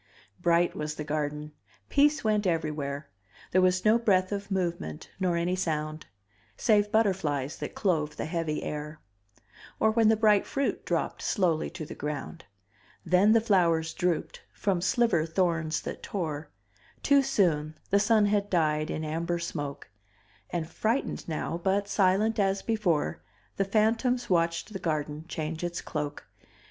Bright was the garden; peace went everywhere There was no breath of movement nor any sound Save butterflies that clove the heavy air, Or when the bright fruit dropped slowly to the ground. Then the flowers drooped, from sliver thorns that tore; Too soon the sun had died in amber smoke, And frightened now but silent as before The phantoms watched the garden change its cloak.